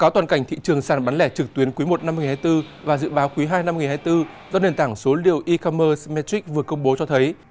được tuyến quý i hai nghìn hai mươi bốn và dự báo quý ii hai nghìn hai mươi bốn do nền tảng số liệu e commerce metric vừa công bố cho thấy